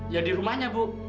ya di rumahnya bu